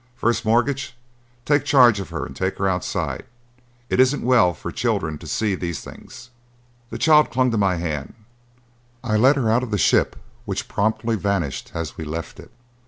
First Mortgage, take charge of her and take her outside. It isn't well for children to see these things." The child clung to my hand: I led her out of the ship, which promptly vanished as we left it.